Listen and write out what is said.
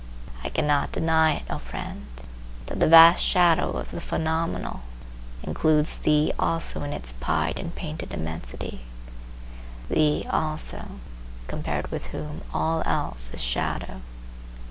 I cannot deny it, O friend, that the vast shadow of the Phenomenal includes thee also in its pied and painted immensity,—thee also, compared with whom all else is shadow.